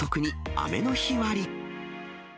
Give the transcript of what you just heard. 雨の日割。